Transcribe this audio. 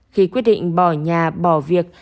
khi quyết định bỏ nhà bỏ việc